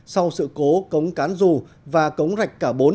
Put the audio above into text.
sau sự cố cống cán rù và cống rạch cả bốn